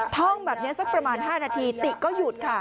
ท่องแบบนี้สักประมาณ๕นาทีติก็หยุดค่ะ